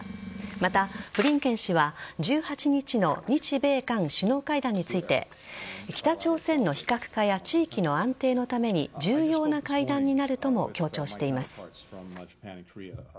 また、ブリンケン氏は１８日の日米韓首脳会談について北朝鮮の非核化や地域の安定のために重要な会談になるとも強調しています。